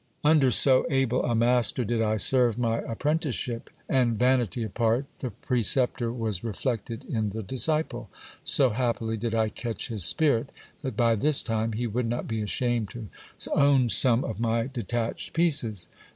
Under so able a master did I serve my apprenticeship ; and, vanity apart, the preceptor was reflected in the disciple. So happily did I catch his spirit, that by this time he would not be ashamed to own some of my detached pieces.